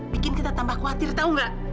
bikin kita tambah khawatir tahu nggak